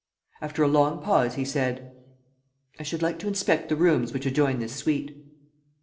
After a long pause he said: "I should like to inspect the rooms which adjoin this suite."